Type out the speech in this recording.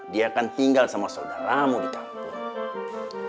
dia akan tinggal sama saudaramu di kampung